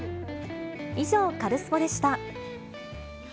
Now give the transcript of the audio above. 以上、カルスポっ！でした。